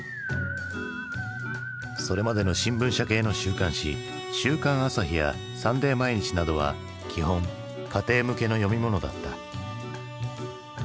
それまでの新聞社系の週刊誌「週刊朝日」や「サンデー毎日」などは基本家庭向けの読み物だった。